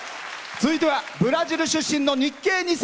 続いてはブラジル出身の日系２世。